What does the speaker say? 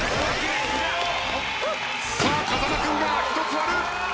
さあ風間君が１つ割る。